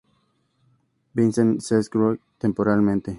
Vincent Sherbrooke temporalmente.